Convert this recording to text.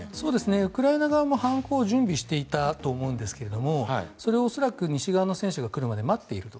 ウクライナ側も反攻を準備していたと思うんですがそれを恐らく西側の戦車が来るまで待っていると。